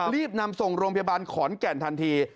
รีบนำส่งโรงพยาบาลขอนแก่นทันที